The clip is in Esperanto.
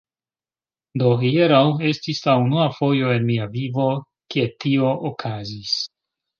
Do hieraŭ, estis la unua fojo en mia vivo, ke tio okazis.